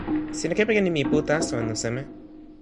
sina kepeken nimi pu taso anu seme?